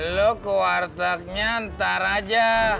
lu ke wartegnya ntar aja